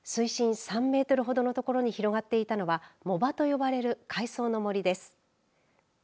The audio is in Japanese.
水深３メートルほどの所に広がっていたのは藻場と呼ばれる海藻の森です。